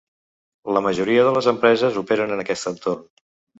La majoria de les empreses operen en aquest entorn.